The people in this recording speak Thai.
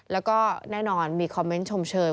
แล้วก็แน่นอนมีคอมเมนต์ชมเชย